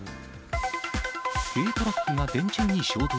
軽トラックが電柱に衝突。